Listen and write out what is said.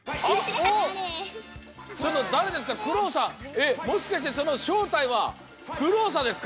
えっもしかしてそのしょうたいはクローサですか？